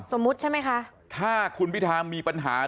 ถ้าคุณพิทามีปัญหาเรื่องนี้จริง